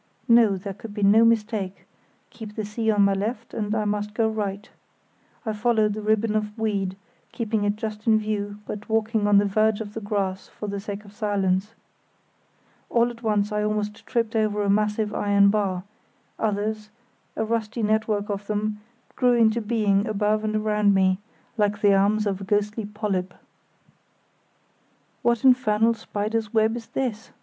No! there could be no mistake; keep the sea on my left and I must go right. I followed the ribbon of weed, keeping it just in view, but walking on the verge of the grass for the sake of silence. All at once I almost tripped over a massive iron bar; others, a rusty network of them, grew into being above and around me, like the arms of a ghostly polyp. "What infernal spider's web is this?"